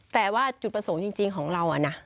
แต่ว่าจุดประสงค์จริงของเรานะ